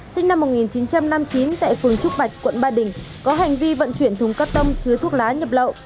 sinh năm một nghìn chín trăm năm mươi chín tại phường trúc bạch quận ba đình có hành vi vận chuyển thùng cắt tông chứa thuốc lá nhập lậu